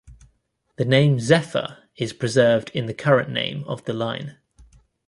The name "Zephyr" is preserved in the current name of the line.